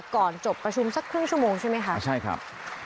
ก่อนจบประชุมสักครึ่งชั่วโมงใช่ไหมคะใช่ครับ